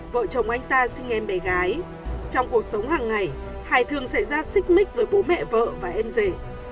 vợ chồng anh ta sinh em bé gái trong cuộc sống hàng ngày hải thường xảy ra xích mích với bố mẹ vợ và em rể